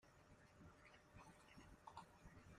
在復健及照護都可應用